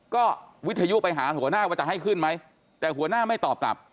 ก็วิทยุไปหาหัวหน้าว่าจะให้ขึ้นไหมแต่หัวหน้าไม่ตอบกลับ